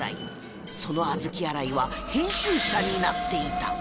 その小豆洗いは編集者になっていた